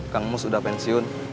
kang mus udah pensiun